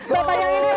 bapak yang ini